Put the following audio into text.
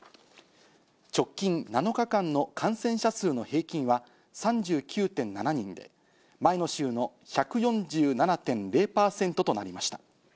直近７日間の感染者数の平均は３９．７人で、前の週の１４７．０％となりました。